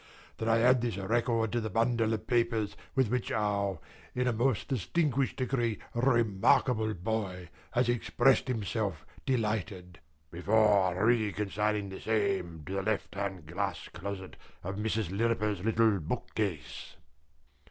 that I add this record to the bundle of papers with which our, in a most distinguished degree, remarkable boy has expressed himself delighted, before re consigning the same to the left hand glass closet of Mrs. Lirriper's little bookcase.